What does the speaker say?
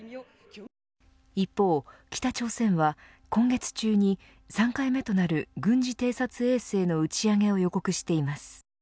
一方、北朝鮮は今月中に３回目となる軍事偵察衛星の打ち上げを予告しています。